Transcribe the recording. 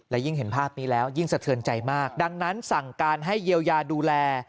และยิ่งเห็นภาพนี้แล้วยิ่งสะเทือนใจมากดังนั้นสั่งการให้เยียวยาดูแล